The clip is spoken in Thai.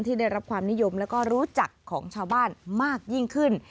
ได้รับความนิยมแล้วก็รู้จักของชาวบ้านมากยิ่งขึ้น